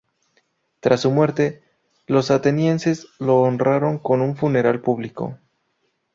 Tras su muerte, los atenienses lo honraron con un funeral público.